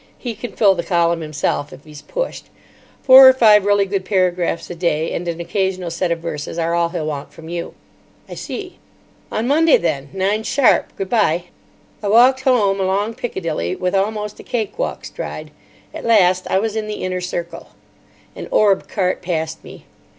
He can fill the column himself, if he's pushed. Four or five really good paragraphs a day and an occasional set of verses are all he'll want from you." "I see." "On Monday, then. Nine sharp. Good bye." I walked home along Piccadilly with almost a cake walk stride. At last I was in the inner circle. An Orb cart passed me.